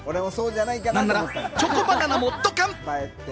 なんならチョコバナナもドカン！